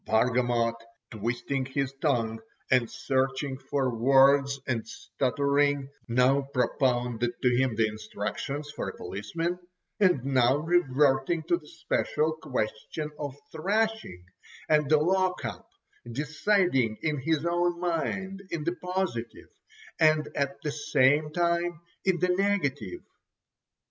Bargamot, twisting his tongue, and searching for words and stuttering, now propounded to him the instructions for a policeman, and now reverting to the special question of thrashing, and the lock up, deciding in his own mind in the positive, and at the same time in the negative.